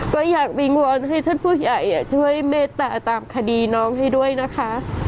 ก็อยากวิงวอนให้ท่านผู้ใหญ่ช่วยเมตตาตามคดีน้องให้ด้วยนะคะ